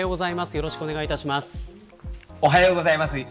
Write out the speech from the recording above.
よろしくお願いします。